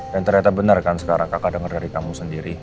dan ternyata bener kan sekarang kakak denger dari kamu sendiri